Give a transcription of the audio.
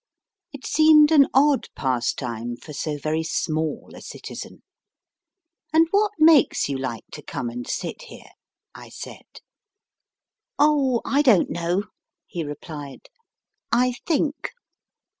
It seemed an odd pastime for so very small a citizen. And what makes you like to come and sit here ? I said. viii MY FIRST BOOK 4 Oh, I don t know, he replied, I think.